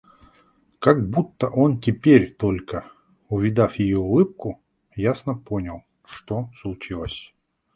Как будто он теперь только, увидав ее улыбку, ясно понял, что случилось.